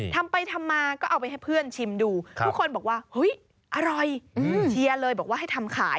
ทำไปทำมาก็เอาไปให้เพื่อนชิมดูทุกคนบอกว่าเฮ้ยอร่อยเชียร์เลยบอกว่าให้ทำขาย